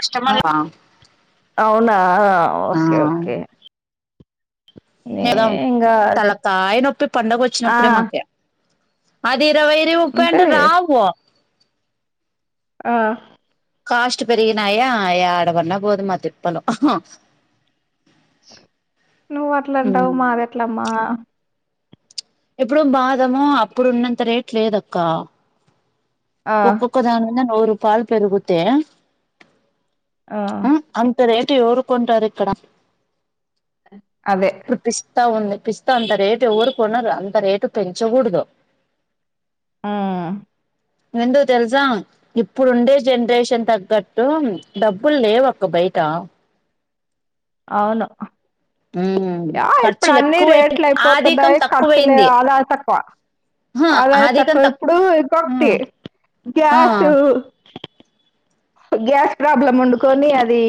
కష్టమల్వా అవునా okay okay నే నిదం ఇంగా తల కాయ నొప్పి పండగ ఆ వచ్చినప్పుడే మాకె అది ఇరవైరి ముప్పయ్ అంటే అంతేలే రావు ఆ కాస్ట్ పెరిగినాయా ఆడ పన పోదు మాతిప్పలు నువ్వు అట్లంటావు మాది ఎట్లమ్మా ఇప్పుడు బాధము అప్పుడున్నంత రేట్ లేదక్క ఆ ఒక్కక దాని మీదన్ ఔరు పాల్ పెరుగుతే ఆ అంతదెద్ టి ఎవరు కొంటారు ఇక్కడ అదే త ఉంది పిస్తా అంత రేటు ఎవరు కొన్నారు అంత రేటు పెంచకూడదు ఆ ఎందుకు తెలుసా ఇప్పుడు ఉండే జనరేషన్ తగ్గట్టు డబ్బులు లేవక్క బయట అవును ఉమ్ యా ఇప్పుడు ఖర్చులు అన్ని ఎక్కువైపో రేట్లు ఆధికం అయిపోతున్నాయి ఖర్చులే తక్కువైంది ఆదాయ తక్కువ హ ఆదాయ ఆధికం తక్కువ తక్ ఇప్పుడు ఇంకొకటి ఉమ్ ఆ గ్యాసు గ్యాస్ ప్రాబ్లం వండుకొని అది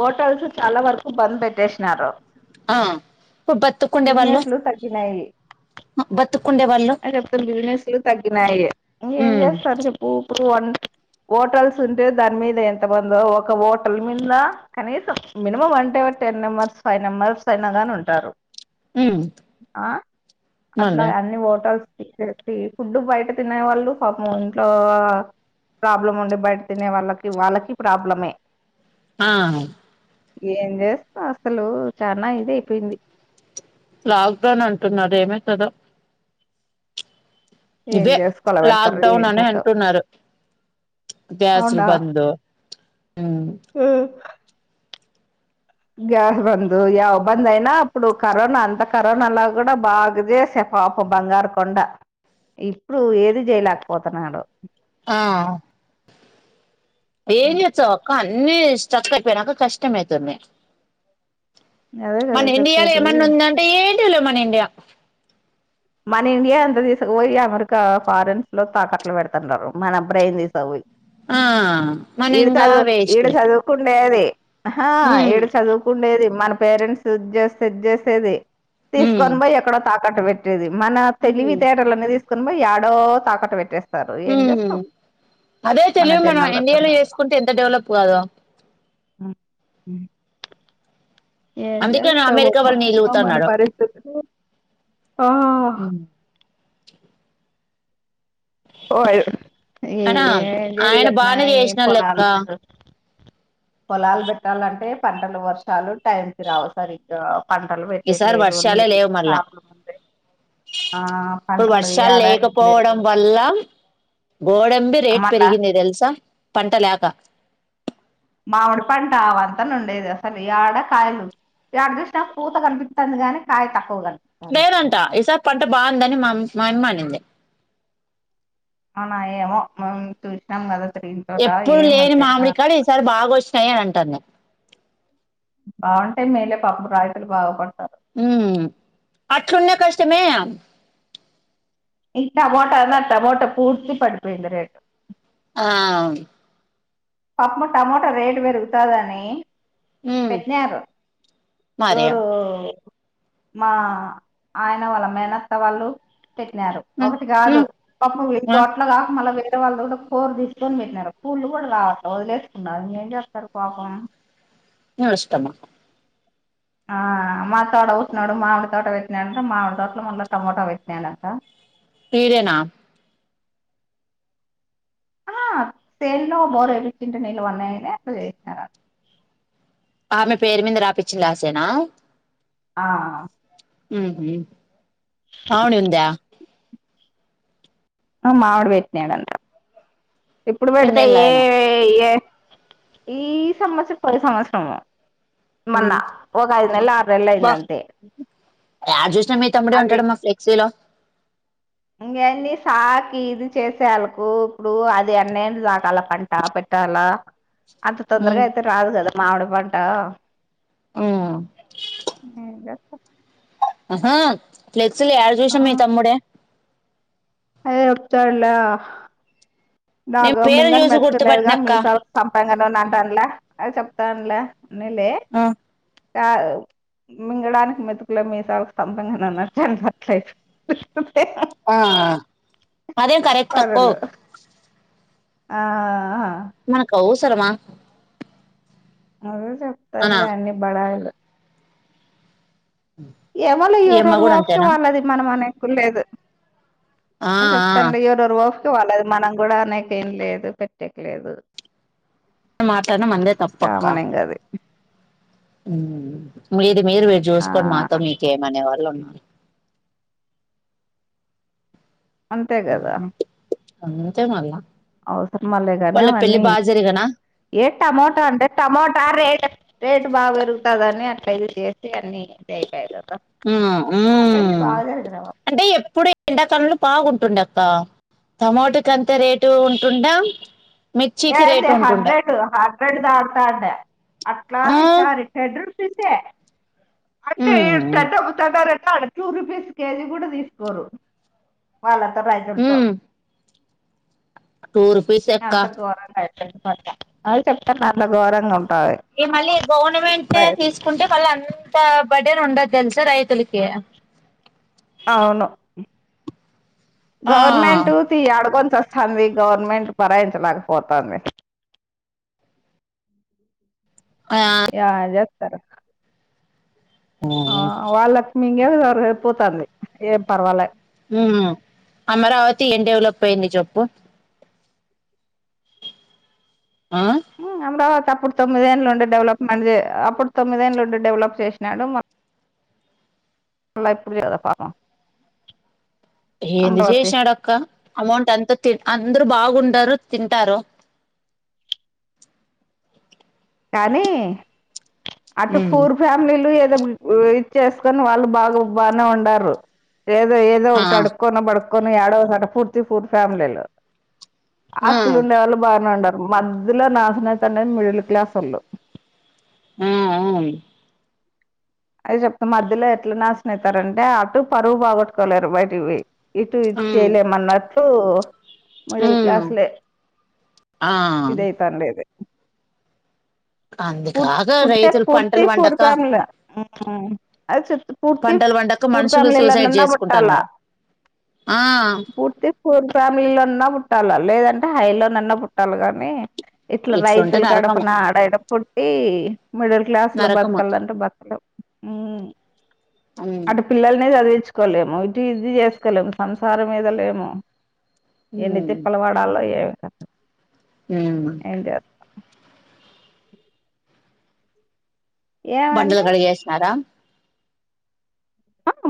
హోటల్స్ చాలా వరకు బంద్ పెట్టేసినారు ఆ ఇప్పుడు బతుకుండే వాళ్ళు బిజినెస్లు తగ్గినాయి బతుకుండే వాళ్ళు ఆ జెప్పు బిజినెస్లు తగ్గినయి ఇంకేం ఉమ్ చేస్తారు చెప్పు టు వన్ హోటల్స్ ఉంటే దాని మీద ఎంతమందో ఒక హోటల్ మీద కనీసం మినిమం వన్ టే టెన్ మెంబర్స్ ఫైవ్ మెంబర్స్ అయినా కానీ ఉంటారు ఉమ్ ఆ అట్లా మళ్ళీ అన్ని హోటల్స్ ఫుడ్ బయట తినే వాళ్ళు ఇంట్లో ప్రాబ్లం ఉండే బయట తినే వాళ్ళకి వాళ్ళకి ప్రాబ్లమే ఆ ఏం చేస్తాం అసలు చనా ఇది అయిపోయింది లాక్డౌన్ అంటున్నారు ఏమైతదో ఏం ఇదే చేసుకోల లాక్ పెడతారు డౌన్ ఏం అని కథో అంటున్నారు గ్యాస్లు అవునా బందు ఊ గ్యాస్ బంద బంద అయినా ఇప్పుడు కరోనా అంత కరోనాలా కూడా బాగా చేసే పాప బంగారు కొండ ఇప్పుడు ఏది చేయలేకపోతున్నాడు ఆ ఏది ఎచ్చావ్ ఒకాన్ అన్నీ స్ట్రక్ అయిపోయినాక కష్టమయివతున్నయ్ అదే కదా మన ఇండియాలో చెప్పేది ఏమన్న ఉందంటే మన ఇండియా మన ఇండియా ఎంత తీసుకుపోయి అమెరికా ఫారెన్స్ లో తాకట్లు పెడుతుంటారు మన బ్రెయిన్ తీసపోయి ఆ మనంగా వేస్ట్ హ ఈడ చదువుకుండేది మన పేరెంట్స్ చేస్తే చేసేది ఉమ్ తీసుకొని పోయి ఎక్కడో తక్ కట్ట పెట్ డేది మన తెలివితేేటలు అనేది యాడో తాకట్టు పెట్టేస్త ఉ అదే మన తెలివు మనం జనాలు ఇండియాలో చేసుకుంటే ఎంత డెవలప్ కాదో ఆ ఏం అందుకే చేస్తావ్ అమెరికా అమ్మ వాళ్ళు మన నీలుగుతున్నాడు పరిస్థితులు ఆ ఏం అయినా ఆయన చేయాలన్నా బానే ఏం చేసిన లెక్క పొలాల్ లేదు పొలాలు పెట్టాలంటే పంటలు వర్షాలు టైంకిి రావు సరిగ్గా పంటలు ఈసారి పెట్టేయట్లేదు. వర్షాలే లేవు నీళ్ళు మల్ల ప్రాబ్లమ్ ఉంది. ఆ! ఇప్పుడు పంటలు వర్షాలు యాడ లేదు. లేకపోవడం వల్ల గోడంబి రేటు మళ్ళా పెరిగింది తెలుసా పంట లేక మామిడి పంటవంతను ఉండేది అసలు ఆడ కాయలు ఈ ఆడ చూసినా పూత కనిపిస్తుంది గానీ కాయ తక్కువ కంట లేధంట ఈసారి పంట బాగుందని మా మా అమ్మ అనింది అవునా ఏమో చూసినాం కదా ఎప్పుడు లేని మామిడి కాడ ఈసారి బాగా వస్తు చెయ్యనంటాంది బాగుంటాయి మేలే పప్పు రైతులు బాగుపడతారు ఉ అట్లున్న కష్టమే ఈ టమోటనా టమోటా పూర్తి పడిపోయింది రేట్ ఆ పప్పు టమోటా రేటు పెరుగుతదని ఉమ్ పెట్నారు మరియా ఎవరు మా ఆయన వాళ్ళ మేనత్త వాళ్ళు పెట్టినారు ఉమ్ ఒకటి కాదు ఉమ్ పప్పు ఎ ఉమ్ తోటలో కా మళ్ళీ పే ఇట్టే వాళ్ళు కూడా కూర తీసుకొని పెట్నారు పూళ్లు కూడా రావ వదిలేసుకున్నారు ఏం చెస్తారు పాపం ను ఇష్టమ్మా ఆ మా తోడబుట్టినోడు మామిడి తోట పెట్నాడంట మామిడి తోట్ల మళ్ళీ టమోటా పెట్టినాడంట ఈడేనా ఆ సేన్లో బోర ఏపిచ్చింటె నీళ్లువన్నాయనే అట్లా చేసినార ఆమె పేరు మీద రాపిచ్చున్ల ఆ సేనా ఆ మ్మహు పావని ఉందా ఆ మావిడి వేట్నాడంట ఇప్పుడు పెడితే నేను ఏ లేను ఏ ఈ సంవత్సం పోయిన సంవత్సరము ఉ బా అంతే యాడ చూసినా మీ తమ్ముడే అవి ఉంటాడమ్మా ఫ్లెక్సీలో ఇంకేంది సాకి ఇది చేసే ఆళ్లకు ఇప్పుడు అది ఎన్నేళ్లు సకల పంట పెట్టాల అంత తొందరగా ఉమ్ అయితే రాదు కదా మామిడిపంట ఉమ్ ఏం గాద్ ఆహా ట్లేద్ సల్ యాడ ఆ చూసిన మీ తమ్ముడే అదే ఒతాడలా నా నేను గ పేరును మింగని చూసి మెతుకునేదుగా గుర్తుపట్టినక్క మీ సాలకు సంపగా నూనె తంల అది చెప్తానుల నెలే ఆ కాదు మింగడానికి మెతుకులే మీ సాలకు సంపంగ నూనె అన్నట్లే ఆ అదేం కరెక్ట్ అక్కో పనులు ఆ హా సరమా అదే చెప్తానులే అన్ని బడాయిలు ఎవళు ఈ అమ్మ ఎవరురు కూడా ఒపికా అంతేనా వాళ్ళది మనం అనేకు లేదు ఆ హ చెప్తాండి ఆ ఎవరెవరు వొ చు వాలది మనం కూడా అనేక ఏం లేదు కొట్టకిలేదు మనం మాట్లాడిన మందే తప్పక్క అది ఊమ్ మీర్ ఇది మీరు మీరు ఆ చూసుకోం మాతో మీకేమనేవాళ్లు అలా నాన్ అంతే గదా అంతేమల్ల అవసరమ అలే గానే అవన్నీ జరిగనా ఏ టమోటా అంటే టమోటా రేట్ రేట్ బా పెరుగుతాదని అట్లది చేసి అన్ని ఇదియిపోయిరు ఉమ్ ఊమ్ జరిగినవా అంటే ఎప్పుడు ఎండాకాలంలో పాగుంటుండే ఆ టమోటాకి అంత రేటు ఉంటుండా మిర్చికి ఏంది రేటు ఉంటుండ హండ్రెడ్ హండ్రెడ్ దాడుతాండే అట్లాదిసారి తెడర్ రూపీసే అంటే [unintelligible] ఆడ టూ రూపీస్ కేజీ కూడా తీసుకోరు వాళతో రైతుల్ తో టూరూపీసెక్క అదే చెప్తాన్నా అట్ల ఘోరంగం ఈ మళ్ళీ గవర్నమెంటే తీసుకుంటే మళ్ళీ అంత బర్డెన్ ఉండదు తెలుసా రైతులకి అవును గవర్నమెంట్ ఆ తీ అడుకొంచస్ హంది గవర్నమెంట్ పరాయించలేకపోతంది యామ్ చేస్ తరు ఉ ఊమ్ ఇంకేవరగయిపోతంది ఏం పర్వాలే ఉమ్ అమరావతి ఏం డెవలప్ అయింది చెప్పు ఆ ఉమ్ అమరావతి అప్పుడు తొమ్మిదేండ్లు ఉండె డెవలప్మెంట్ ది అ అప్పుడు తొమ్మిదేండ్లు ఉండి డెవలప్ చేషినాడు మళ్ల ఇపుడు [unintelligible] గదా పాపం ఏంది అమరావతి చేస్నాడక్క అమౌంట్ ఎంత తిన్ అందరుూ బాగుండరు తింటారు కానీ అటు ఉమ్ ఫూర్ ఫ్యామిలిలు ఇచ్చేసుకొని వాళ్ళు బాగా బానే ఉండారు ఏదో ఏదో ఆ ఒకటి అడుక్క్కన్న పడు కొన్ని ఏడో ఒకసాట పూర్తి ఫూర్ ఫ్యామిలీలో ఆ ఆస్తులు ఉండేవాళ్ళు బాగానే ఉండాలి మద్దల నాశన మైతండేది మిడిల్ క్లాస్ కలు మ్మ్ మ్మ్ అయి చెప్తే మధ్యలో ఎట్లా నాశన అవుతారంటే అటు పరువు బాగొట్టుకోలేరు బయటికీపోయి ఇటు ఇ ఉమ్ చేయలేమన్నట్టు మడిల్ ఉమ్ క్లాస లె ఆ ఇదయితండేది అందు పూర్ కాగా రైతులు పంటలు పండక ఉహు అది చెప్పు పూర్తి పంటలు పండక పూర్ మనుషులు సూసైడ్ ఫ్యామిలీలోన్నా పట్టాలా చేసుకుంటున్నారు ఆ పూర్తి పూర్ ఫ్యామిలీలోన్నా పుట్టాలా లేదంటే హైలో నిన్న పుట్టాలి కాగానీ ఇట్లా ఇట్లుంటే రైతుల నరకము కడపన ఆడడ పుట్టి మిడిల్ క్లాస్ లో నరకము బతకాలంటే బతక హు ఉమ్ అటు పిల్లలని చదివించుకోలేము ఇటు ఇది చేసుకోలేము సంసారం ఈద లేము ఎన్ని తిప్పల పడాలో ఏమి ఊ ఏం చేస్త బండలు ఏమంటే కడిగేసినారా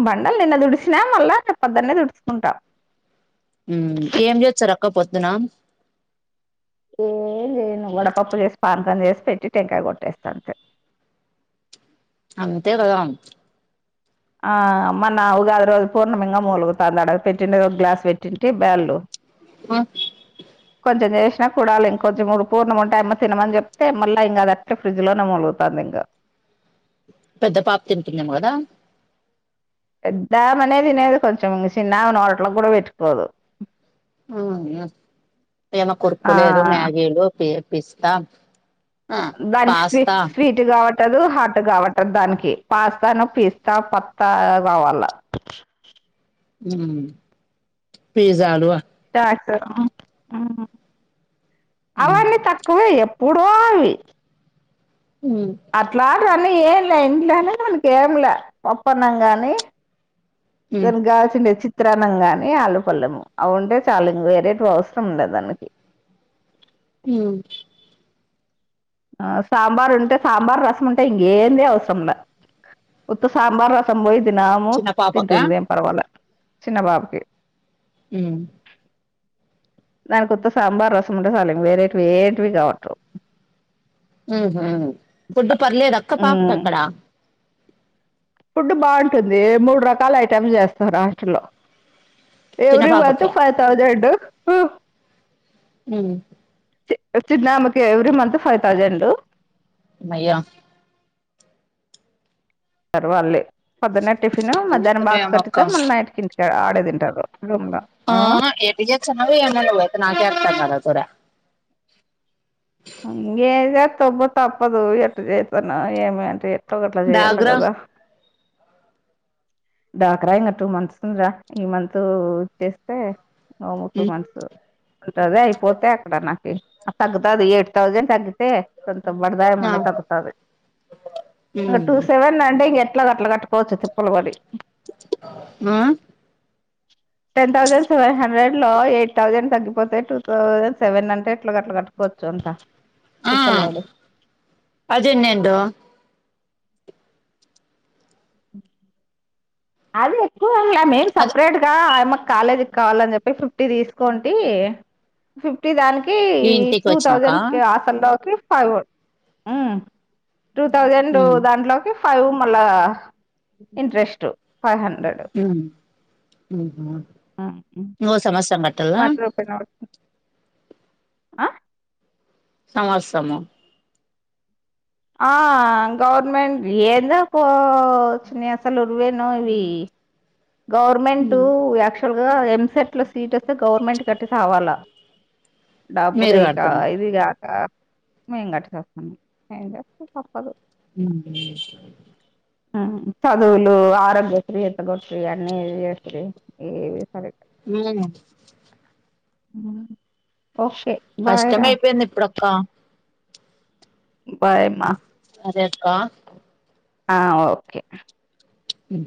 బండలు నిన్న దుడిసినా మళ్ళా చె పదున్న దుడుచుకుంటాం హు ఏం చేస్తురు అక్క పొద్దు పొద్దున ఏం చెయ్యను వడపప్పు చేసి పానకము చేసి పెట్టి టెంకాయ కొట్టేస్తా అంతే అంతే కదా ఆ మన ఉగాది రోజు పూర్ణమింగా మూలుగుతుంది ఆడ పెట్టిన ఒక గ్లాస్ పెట్టింటి భయ్యాలు ఆ కొంచెం చేసినా కూడాలు ఇంకా కంచెం మూడు పూర్ణం ఉంటాయమ్మ తినమని చెప్తే మళ్ళా ఇంకాఅది అట్నే ఫ్రిజ్ లోనే మొలుగుతుంది ఇంకా పెద్ద పాప తింటుంది ఏమో కదా పెద్దా అమెనే తినేది కొంచెం ఇగ చిన్నామె నోట్లోకూడా పెట్టుకోదు అవునా ఏమ ఆ కుర్కురేలు మ్యాగిలు పి పిస్తా ఆ దానికి స్వీ పాస్తా స్వీట్ కాబట్టి ట్ హార్ట్ గా పట్టా దానికి పాస్తాను పిస్తా పత్తా కావాలా హు పిజ్జా ఆలు [unintelligible] ఉమ్ అవన్నీ తక్కువే ఎ వుడోయి ఉమ్ అట్లా కాని ఏం లే ఇంట్లోనే మనకి ఏం లే పప్పన్నం కాగానీ దాని కి కావలిసింది చి చిత్రాన్నం కాని ఆలు పల్లెము అవింటే చాలా ఇంగ వేరేటివి అవసరం ఉండదు దానికి హు ఆ సాంబార్ ఉంటే సాంబార్ రసం ఉంటే ఇంకేంది అవసరం ఉండదు వుత్తా సాంబార్ రసం పోయి దినము చిన్న పాపకా తింటుంది ఏం పర్వాలే చిన్న బాబుకి హు దానికి ఉత్త సాంబార్ రసం ఉంటే చాలు వేరే ఏంటివి కావట్టవు ఉహు ఫుడ్ పర్లేదు అక్క పాపకి ఉమ్ అక్కడ ఫుడ్ బాగుంటుంది మూడు రకాల ఐటెమ్స్ చేస్తారు హాస్టల్లో చిన్న ఎవరీ మంత్ పాపకి ఫైవ్ థౌసేండ్ హూ చిన్న ఆమెకే ఎవరీ మంత్ ఫైవ్ థౌసేండ్ హమ్మయ్య పర్వాలే పొద్దున్నే టిఫన్ ఎట్ట మధ్యాహ్నం బాక్స్ చేస్తున్నావేమో కట్టితే అక్క మళ్ళీ నైట్ కి ఇంటికి ఆడే తింటారు రూమ్ లో ఆ ఎట్లా చేస్తున్నావో ఏమో నువ్వు నాకే అర్థం కాలే అసలు ఇంగ చేస్తువు అబ్బా తప్పదు ఎట్టా చేస్తున్నావో ఏమో అంటే ఎట్లా గట్ల చేయ్యాలే డాగ్రా కదా డ్వాక్రా ఇంకా టూ మంత్స్ ఉంది రా ఈ మంత్ చేస్తే ఓ టూ ఉమ్ మంత్స్ ఉంటాది అయిపోతే అక్కడ నాకీ తగ్గుతాదీ ఏ థౌసేండ్ తగ్గితే కొంత బడదాయం మన్న తగ్గుతాది ఇంగ టూ సెవెన్ అంటే ఇంగ ఎట్లా గట్ల కట్టు పోవచ్చు తిప్పలు బడి ఉమ్ టెన్ థౌసేండ్ సెన్ హండ్రెడ్ లో ఎయిట్ థౌజండ్ తగ్గిపోతే టూ థౌజండ్ సెవెన్ హౌడ్రెండ్ ఎట్లా గట్ల కట్టుకోవచ్చు అంత ఆ తిప్పలు పడి అది ఎనేడు అ అది ఎక్కువ యూట్యూబ్లో మెయిల్ అదే సెపరేట్గా ఆ అమ్మకి కాలేజీ కావాలని చెప్పి ఫిఫ్టీ తీసుకోంటి ఫిఫ్టీ దానికి కి ఇంటికి టూ వచ్చినాక థౌజండ్ కె ఆఫర్ లోకి పాగో ఆహు టూ థౌజండ్ ఉమ్ దాంట్లోకి ఫైవ్ మల్ల ఇంట్రెస్ట్ ఫైవ్ హండ్రెడ్ హు ఊహ నోస్ అనవసరంగా కట్టి వన్ రూపి నే పడు అ సమాసము ఆ గవర్నమెంట్ ఏందుకో వచ్చినాయి అసలు. ఉరువేనో ఇవి? గవర్నమెంటు యాక్చువల్‌గా, ఇగో, ఎంసెట్ లో సీట్ వస్తే, గవర్నమెంట్ కట్టి సావాలా? డబ్బులు, మీరు ఇకా కడుతున్నారు ఇది గాక. మేం గట్టి సస్తున్నాం, ఏం చేస్తాం? తప్పదు. ఉ, ఉం. మ్, చదువులు, ఆరోగ్యశ్రీ ఎంత గొడితే? ఇయాన్ని చేస్తిరి. ఏవి సరిగ్గా? ఉమ్మ్. మ్ కష్టమైపోయింది, ఇపుడో. ఖ బై, అమ్మ! అదే, అక్కా! ఆ, ఓకే. ఉమ్